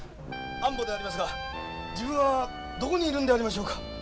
安保でありますが自分はどこにいるんでありましょうか？